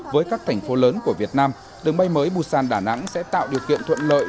với các thành phố lớn của việt nam đường bay mới busan đà nẵng sẽ tạo điều kiện thuận lợi